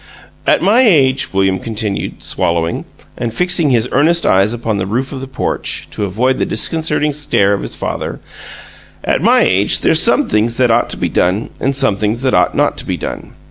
"At my age," William continued, swallowing, and fixing his earnest eyes upon the roof of the porch, to avoid the disconcerting stare of his father "at my age there's some things that ought to be done and some things that ought not to be done.